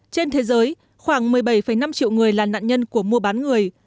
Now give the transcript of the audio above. trên thế giới khoảng một mươi bảy năm triệu người là nạn nhân của mua bán người